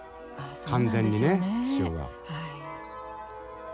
完全にね潮が。